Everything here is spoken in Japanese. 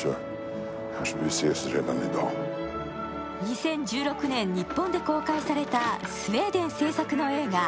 ２０１６年日本で公開されたスウェーデン製作の映画